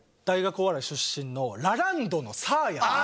大学お笑い出身のラランドのサーヤ。